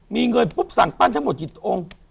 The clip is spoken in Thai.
มีเงยปุ๊บสั่งปั้นทั้งหมดจิตโอน